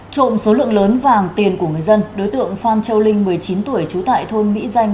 trộm số lượng lớn vàng tiền của người dân đối tượng phan châu linh một mươi chín tuổi trú tại thôn mỹ danh